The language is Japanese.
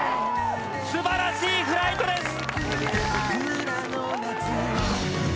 すばらしいフライトです！